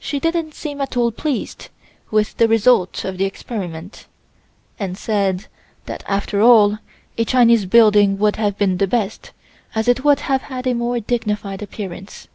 She didn't seem at all pleased with the result of the experiment and said that after all a Chinese building would have been the best as it would have had a more dignified appearance.